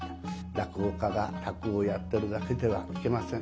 落語家が落語やってるだけではいけません。